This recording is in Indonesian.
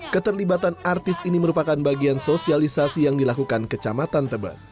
keterlibatan artis ini merupakan bagian sosialisasi yang dilakukan kecamatan tebet